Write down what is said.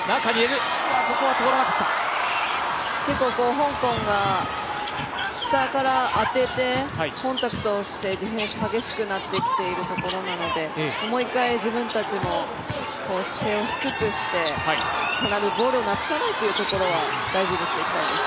香港が、下から当ててコンタクトをしてディフェンス激しくなってきているところなのでもう一回自分たちも姿勢を低くしてボールをなくさないというところは大事にしていきたいです。